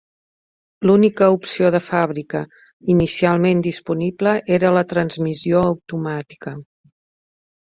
L'única opció de fàbrica inicialment disponible era la transmissió automàtica.